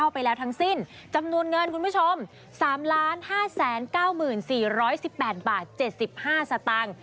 ไปแล้วทั้งสิ้นจำนวนเงินคุณผู้ชมสามล้านห้าแสนเก้าหมื่นสี่ร้อยสิบแปดบาทเจ็ดสิบห้าสตังค์